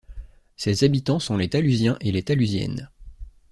Ses habitants sont les Talusiens et les Talusiennes.